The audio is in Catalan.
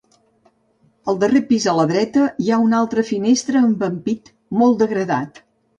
Al darrer pis a la dreta, hi ha una altra finestra amb ampit molt degradat.